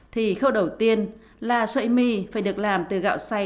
thì khâu đầu tiên là sợi mì phải được làm từ gạo xay